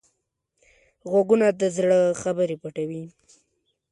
غوږونه د زړه خبرې پټوي